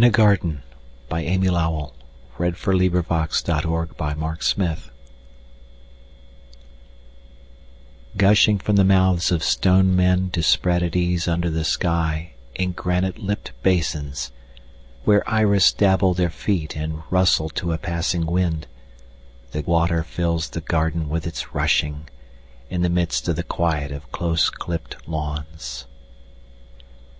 it up from the dust, That its sparkle may amuse you. In a Garden Gushing from the mouths of stone men To spread at ease under the sky In granite lipped basins, Where iris dabble their feet And rustle to a passing wind, The water fills the garden with its rushing, In the midst of the quiet of close clipped lawns.